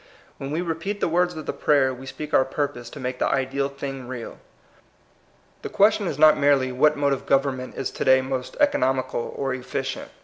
When we repeat liie words of the prayer, we speak our purpose to make the ideal thing real. The question is not merely what mode of government is to day most economical or efficient.